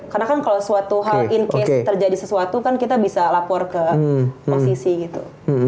karena kan kalau suatu hal terjadi sesuatu kan kita bisa lapor ke posisi gitu